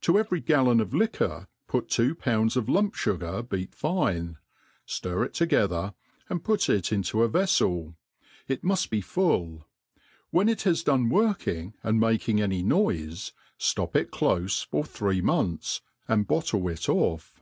To every gallon of liquor put two pounds of lump*fugar beat fine, ftir it together, and put it into a ▼eflel ; it muft be full : when it has done working and making any noife, ftop it clofe for three months, and bottle it off.